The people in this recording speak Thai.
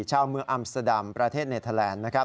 ชาวเมืองอัมสดัมประเทศเนเทอร์แลนด์นะครับ